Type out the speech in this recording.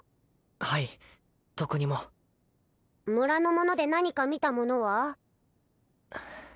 はいどこにも村の者で何か見た者は？